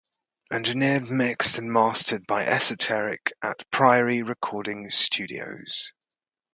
Engineered, mixed and mastered by Esoteric at Priory Recording Studios.